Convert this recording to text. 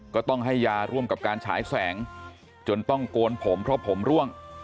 ก็ต้องให้ยาร่วมกับการฉายแสงจนต้องโกนผมเพราะผมร่วง